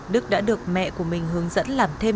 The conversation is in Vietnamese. đức đã được mẹ của mình hướng dẫn làm thêm